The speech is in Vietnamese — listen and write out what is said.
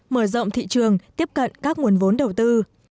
mở rộng thị trường tiếp cận các nguồn vốn đầu tư